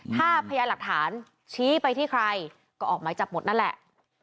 ถ้าพยานหลักฐานชี้ไปที่ใครก็ออกหมายจับหมดนั่นแหละ